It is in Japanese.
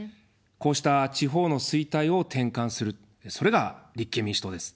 こうした地方の衰退を転換する、それが立憲民主党です。